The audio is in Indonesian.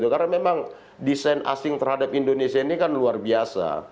karena memang desain asing terhadap indonesia ini kan luar biasa